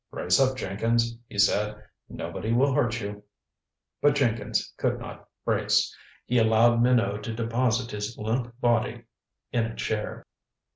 "Brace up, Jenkins," he said. "Nobody will hurt you." But Jenkins could not brace. He allowed Minot to deposit his limp body in a chair.